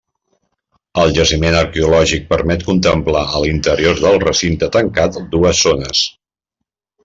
El jaciment arqueològic permet contemplar a l'interior del recinte tancat dues zones.